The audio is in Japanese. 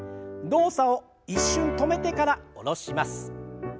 動作を一瞬止めてから下ろします。